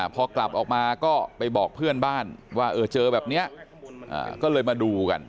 พอกลับออกมาก็ไปบอกเพื่อนบ้านว่าเจอแบบนี้ก็เลยมาดูกัน